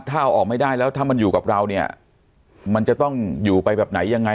ถ้าเอาออกไม่ได้แล้วถ้ามันอยู่กับเราเนี่ยมันจะต้องอยู่ไปแบบไหนยังไง